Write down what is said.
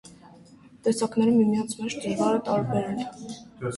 Տեսակները միմյանց մեջ դժվար է տարբերել։